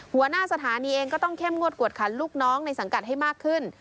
หัวหน้าสถานีเองก็ต้องเข้มงวดกวดขันลูกน้องในสังกัดให้มากขึ้น